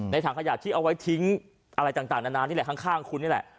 ถังขยะที่เอาไว้ทิ้งอะไรต่างนานนี่แหละข้างคุณนี่แหละ